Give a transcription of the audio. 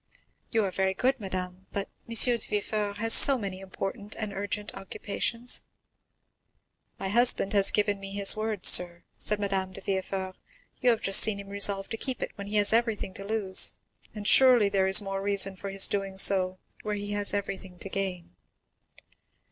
"You are very good, madame, but M. de Villefort has so many important and urgent occupations." "My husband has given me his word, sir," said Madame de Villefort; "you have just seen him resolve to keep it when he has everything to lose, and surely there is more reason for his doing so where he has everything to gain."